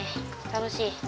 楽しい。